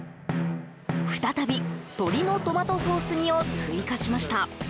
再び、鶏のトマトソース煮を追加しました。